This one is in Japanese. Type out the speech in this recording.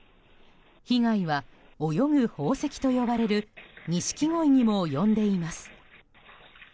被害は泳ぐ宝石と呼ばれるニシキゴイにも及んでいます。